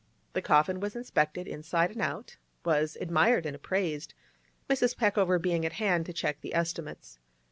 The coffin was inspected inside and out, was admired and appraised, Mrs. Peckover being at hand to check the estimates.